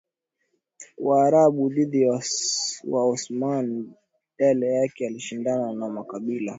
Waarabu dhidi ya Waosmani badala yake alishindana na makabila